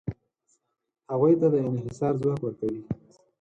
هغوی ته د انحصار ځواک ورکوي.